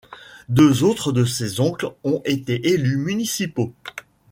Deux autres de ses oncles ont été élus municipaux.